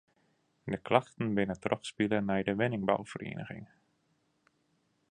De klachten binne trochspile nei de wenningbouferieniging.